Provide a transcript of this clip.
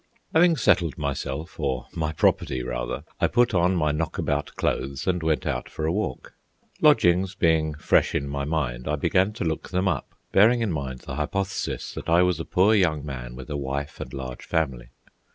Having settled myself, or my property rather, I put on my knockabout clothes and went out for a walk. Lodgings being fresh in my mind, I began to look them up, bearing in mind the hypothesis that I was a poor young man with a wife and large family.